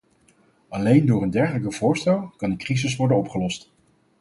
Alleen door een dergelijk voorstel kan de crisis worden opgelost.